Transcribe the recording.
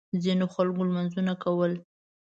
ځینو خلکو لمونځونه کول.